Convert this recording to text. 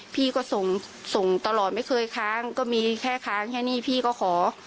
พี่ก็ส่งส่งตลอดไม่เคยค้างก็มีแค่ค้างแค่นี้พี่ก็ขอ